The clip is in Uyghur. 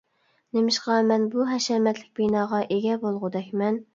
نېمىشقا مەن بۇ ھەشەمەتلىك بىناغا ئىگە بولغۇدەكمەن.